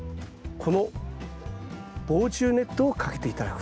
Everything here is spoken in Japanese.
この防虫ネットをかけて頂く。